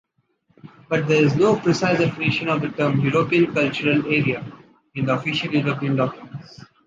But there is no precise definition of the term “European cultural area” in official European documents.